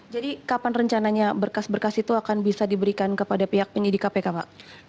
jadi kapan rencananya berkas berkas itu akan bisa diberikan kepada pihak penyidik kpk pak